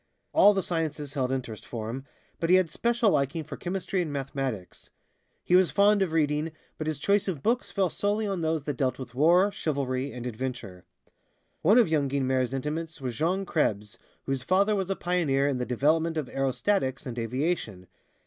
All the sciences held interest for him, but he had special liking for chemistry and mathematics. He was fond of reading, but his choice of books fell solely on those that dealt with war, chivalry and adventure. One of young Guynemer's intimates was Jean Krebs, whose father was a pioneer in the development of aerostatics and aviation.